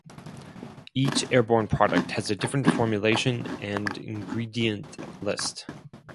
Each Airborne product has a different formulation and ingredient list.